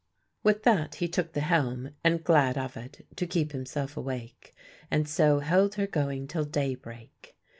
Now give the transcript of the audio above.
With that he took the helm, and glad of it, to keep himself awake; and so held her going till daybreak.